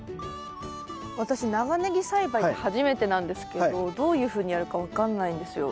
私長ネギ栽培初めてなんですけどどういうふうにやるか分かんないんですよ。